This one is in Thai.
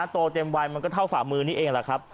โตเต็มวัยมันก็เท่าฝ่ามือนี้เองแหละครับ